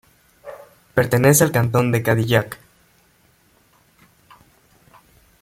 Pertenece al Cantón de Cadillac.